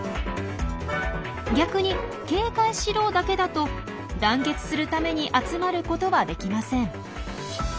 逆に「警戒しろ」だけだと団結するために集まることはできません。